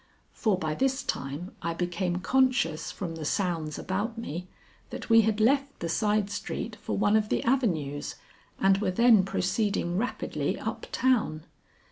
For by this time I became conscious from the sounds about me that we had left the side street for one of the avenues and were then proceeding rapidly up town.